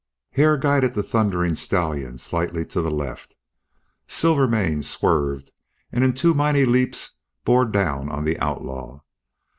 Hare guided the thundering stallion slightly to the left. Silvermane swerved and in two mighty leaps bore down on the outlaw.